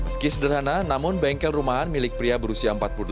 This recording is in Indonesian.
meski sederhana namun bengkel rumahan milik pria berusia